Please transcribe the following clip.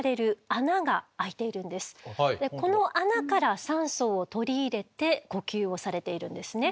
この穴から酸素を取り入れて呼吸をされているんですね。